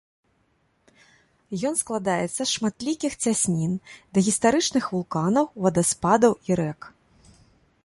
Ён складаецца з шматлікіх цяснін, дагістарычных вулканаў, вадаспадаў і рэк.